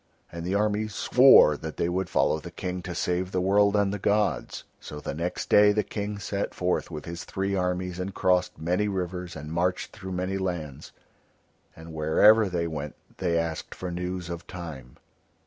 And the armies swore that they would follow the King to save the world and the gods. So the next day the King set forth with his three armies and crossed many rivers and marched through many lands, and wherever they went they asked for news of Time.